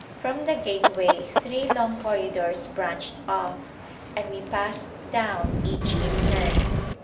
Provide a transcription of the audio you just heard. From the gateway three long corridors branched off, and we passed down each in turn.